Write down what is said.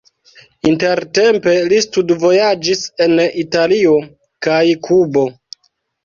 Intertempe li studvojaĝis en Italio kaj Kubo.